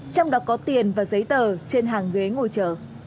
trong đó có tiền và giấy tờ trên hàng ghế ngồi chờ